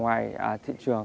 nó lấy theo thuốc không